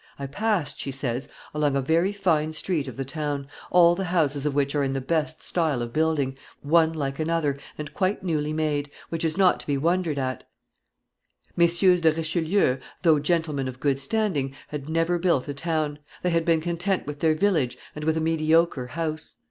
"I passed," she says, "along a very fine street of the town, all the houses of which are in the best style of building, one like another, and quite newly made, which is not to be wondered at. MM. de Richelieu, though gentlemen of good standing, had never built a town; they had been content with their village and with a mediocre house.